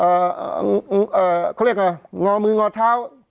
เอ่อเขาเรียกไงงอมืองอเท้า